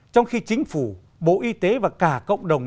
trong khi chính phủ bộ y tế và cả cộng đồng